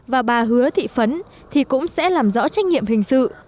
và bà hứa thị phấn thì cũng sẽ làm rõ trách nhiệm hình sự